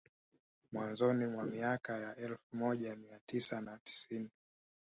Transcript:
Mwanzoni mwa miaka ya elfu moja mia tisa na tisini